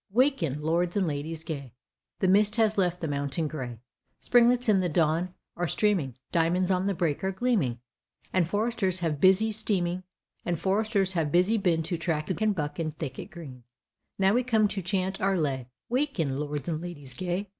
Waken, lords and ladies gay, The mist has left the mountain gray, Springlets in the dawn are steaming, Diamonds on the brake are gleaming, And foresters have busy been To track the buck in thicket green; Now we come to chant our lay, 'Waken, lords and ladies gay.'